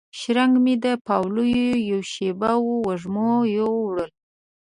شرنګ مې د پاولو یوه شیبه وه وږمو یووړله